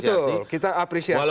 betul kita apresiasi